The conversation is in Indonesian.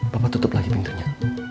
bapak tutup lagi pintunya